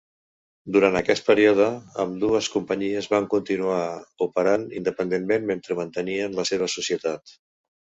Durant aquest període, ambdues companyies van continuar operant independentment mentre mantenien la seva societat.